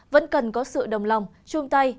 vẫn cần có sự đồng lòng chung tay